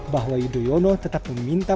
bahwa yudhoyono tetap meminta